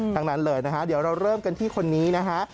ทั้งนั้นเลยนะฮะเดี๋ยวเราเริ่มกันที่คนนี้นะฮะ